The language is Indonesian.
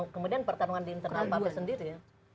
kemudian pertarungan internal pemerintah sendiri ya